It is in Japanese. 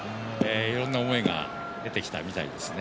いろんな思いが出てきたみたいですね。